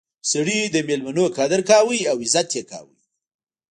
سړی د میلمنو قدر کاوه او عزت یې کاوه.